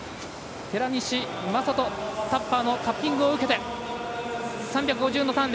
寺西真人タッパーのタッピングを受けて３５０のターン。